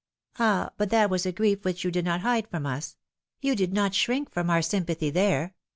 " Ah, but that was a grief which you did not hide from us. You did not shrink from our sympathy there.